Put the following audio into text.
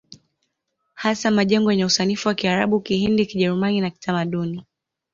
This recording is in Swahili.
Hasa majengo yenye usanifu wa Kiarabu Kihindi Kijerumani na Kitamaduni